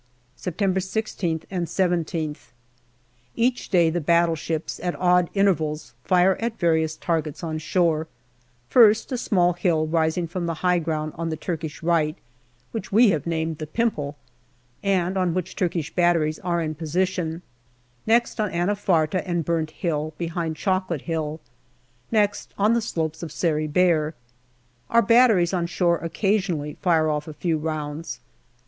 September 16th and 17 r th. Each day the battleships, at odd intervals, fire at various targets on shore first, a small hill rising from the high ground on the Turkish right, which we have named the Pimple, and on which Turkish batteries are in position ; next on Anafarta and Burnt Hill, behind Chocolate Hill; next on to the slopes of Sari Bair. Our batteries on shore occasionally fire off a few rounds.